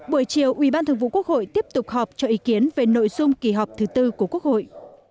buổi chiều ubth tiếp tục họp cho ý kiến về nội dung kỳ họp thứ tư của quốc hội